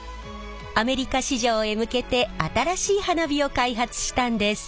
アメリカ市場へ向けて新しい花火を開発したんです。